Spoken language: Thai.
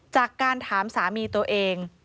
จากการถามสามีตัวเอง